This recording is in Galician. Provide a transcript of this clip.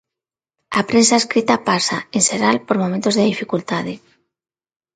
A prensa escrita pasa, en xeral, por momentos de dificultade.